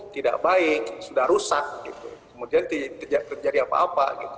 tidak baik sudah rusak kemudian terjadi apa apa